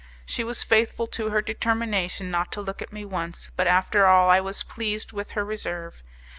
She was faithful to her determination not to look at me once, but after all I was pleased with her reserve.